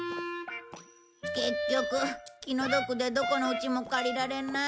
結局気の毒でどこのうちも借りられない。